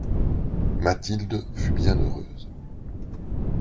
Mathilde fut bien heureuse.